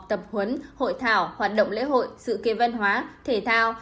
tập huấn hội thảo hoạt động lễ hội sự kiện văn hóa thể thao